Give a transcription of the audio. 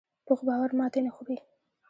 پوخ باور ماتې نه خوري